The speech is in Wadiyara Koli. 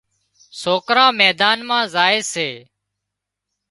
سوڪران ميدان مان زائي سي